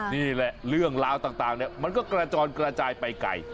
นี่แหละเรื่องราวต่างมันก็กระจอนกระจายไปไกล